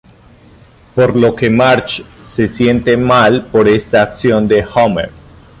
Por lo que Marge se siente mal por esta acción de Homer.